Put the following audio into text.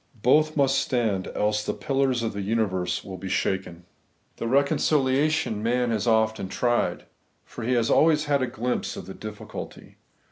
Both must stand, else the pUlars of the universe will be shaken. The o^econciliation man has often tried ; for he has always had a glimpse of the difficulty.